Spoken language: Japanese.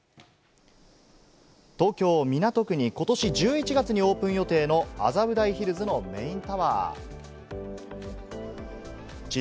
東京・港区にことし１１月にオープン予定の麻布台ヒルズのメイン